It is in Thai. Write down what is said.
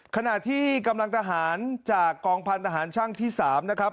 ขณะที่กำลังทหารจากกองพันธหารช่างที่๓นะครับ